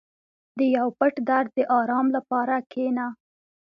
• د یو پټ درد د آرام لپاره کښېنه.